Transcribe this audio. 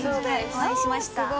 お会いしました。